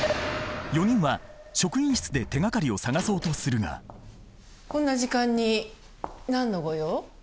４人は職員室で手がかりを探そうとするがこんな時間に何のご用？